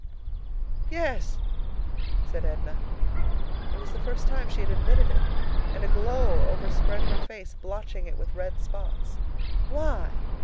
"Yes," said Edna. It was the first time she had admitted it, and a glow overspread her face, blotching it with red spots. "Why?"